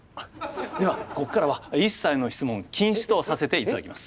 ではここからは一切の質問禁止とさせていただきます。